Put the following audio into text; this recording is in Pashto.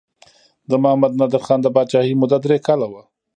د محمد نادر خان د پاچاهۍ موده درې کاله وه.